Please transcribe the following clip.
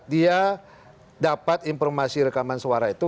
dia dapat informasi rekaman suara itu